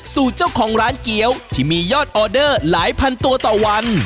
สู่เจ้าของร้านเกี้ยวที่มียอดออเดอร์หลายพันตัวต่อวัน